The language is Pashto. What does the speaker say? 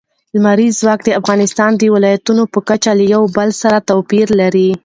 لمریز ځواک د افغانستان د ولایاتو په کچه یو له بل سره توپیر لري.